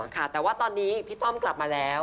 ค่ะแต่ว่าตอนนี้พี่ต้อมกลับมาแล้ว